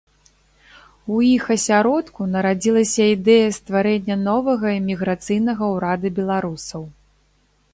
У іх асяродку нарадзілася ідэя стварэння новага эміграцыйнага ўрада беларусаў.